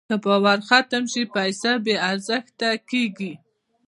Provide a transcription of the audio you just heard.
که باور ختم شي، پیسه بېارزښته کېږي.